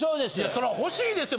そら欲しいですよ